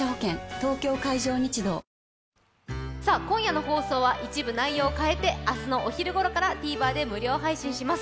東京海上日動今夜の放送は一部内容を変えて明日のお昼ごろからＴＶｅｒで無料配信します。